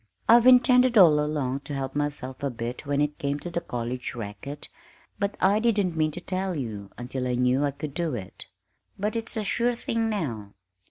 I've intended all along to help myself a bit when it came to the college racket, but I didn't mean to tell you until I knew I could do it. But it's a sure thing now.